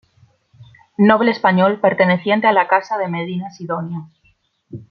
Noble español perteneciente a la Casa de Medina Sidonia.